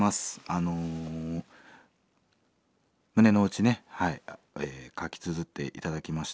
あの胸の内ねはい書きつづって頂きました。